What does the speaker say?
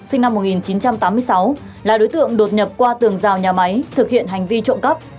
sinh năm một nghìn chín trăm tám mươi sáu là đối tượng đột nhập qua tường rào nhà máy thực hiện hành vi trộm cắp